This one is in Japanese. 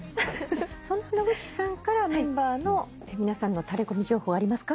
そんな野口さんからメンバーの皆さんのタレコミ情報ありますか？